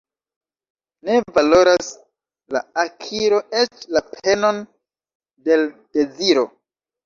Ne valoras la akiro eĉ la penon de l' deziro.